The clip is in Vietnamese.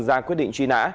ra quyết định truy nã